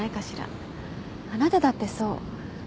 あなただってそう。